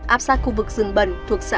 áp sát khu vực rừng bần thuộc xã cầm hà